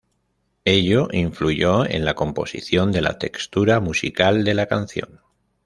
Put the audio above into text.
Ello influyó en la composición de la textura musical de la canción.